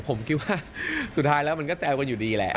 ผมคิดว่าสุดท้ายแล้วมันก็แซวกันอยู่ดีแหละ